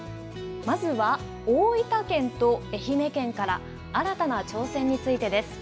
まずは大分県と愛媛県から、新たな挑戦についてです。